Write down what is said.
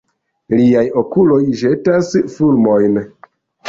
Liaj okuloj ĵetas fulmojn!